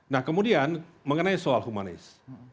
nah kemudian mengenai soal humanis